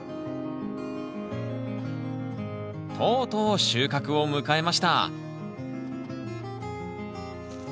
とうとう収穫を迎えました開けます。